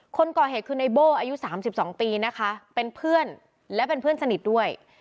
คนก่อเหตุคือในโบ้อายุ๓๒ปีนะคะเป็นเพื่อนและเป็นเพื่อนสนิทด้วย